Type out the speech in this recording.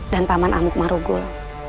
dan paman amuk marugul